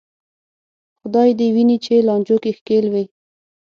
خدای دې دې ویني چې لانجو کې ښکېل وې.